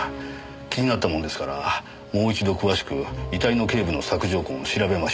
気になったものですからもう一度詳しく遺体の頚部の索条痕を調べましたところ。